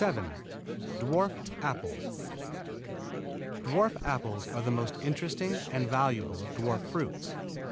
VII DWARF APPLES Dwarf apples are the most interesting and valuable of dwarf fruits.